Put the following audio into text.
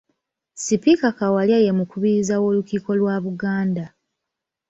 Sipiika Kawalya ye mukubiriza w’Olukiiko lwa Buganda.